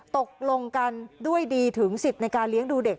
ตกลงกันด้วยดีถึงสิทธิ์ในการเลี้ยงดูเด็ก